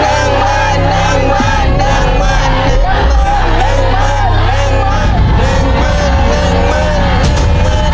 หนังมันหนังมันหนังมันหนังมันหนังมันหนังมันหนังมันหนังมัน